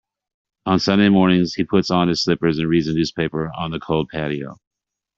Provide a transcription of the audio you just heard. On Sunday mornings, he puts on his slippers and reads the newspaper on the cold patio.